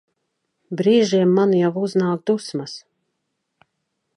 Brīžiem man jau uznāk dusmas.